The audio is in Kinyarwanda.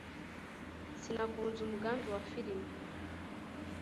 Sinakunze umugambi wa firime.